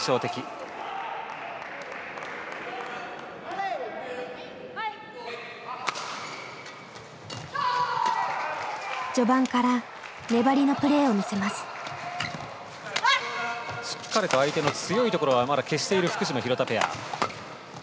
しっかりと相手の強いところはまだ消している福島廣田ペア。